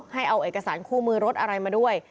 ให้เอาเอกสารคู่มือรถอะไรมาด้วย